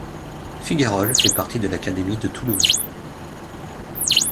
Figarol fait partie de l'académie de Toulouse.